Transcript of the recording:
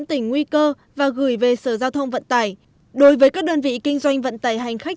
tỉnh nguy cơ và gửi về sở giao thông vận tải đối với các đơn vị kinh doanh vận tải hành khách